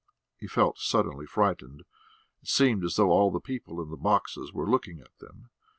He felt suddenly frightened; it seemed as though all the people in the boxes were looking at them.